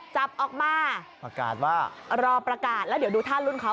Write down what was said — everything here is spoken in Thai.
จับออกมารอประกาศแล้วเดี๋ยวดูท่ารุ่นเขา